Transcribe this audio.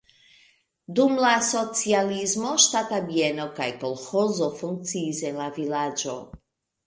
Dum la socialismo ŝtata bieno kaj kolĥozo funkciis en la vilaĝo.